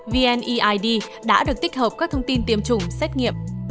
vneid đã được tích hợp các thông tin tiêm chủng xét nghiệm